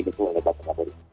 ini jadi sesuatu